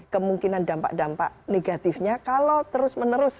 kemungkinan dampak dampak negatifnya kalau terus menerus